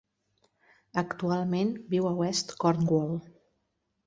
Actualment viu a West Cornwall.